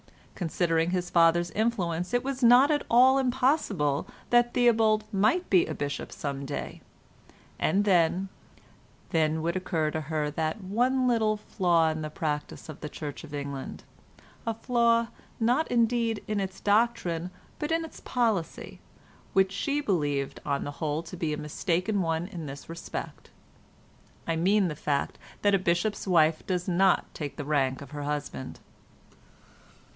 Considering his father's influence it was not at all impossible that Theobald might be a bishop some day—and then—then would occur to her that one little flaw in the practice of the Church of England—a flaw not indeed in its doctrine, but in its policy, which she believed on the whole to be a mistaken one in this respect. I mean the fact that a bishop's wife does not take the rank of her husband.